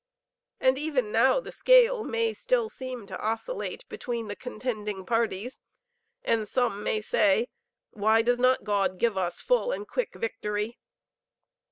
And even now the scale may still seem to oscillate between the contending parties, and some may say, Why does not God give us full and quick victory?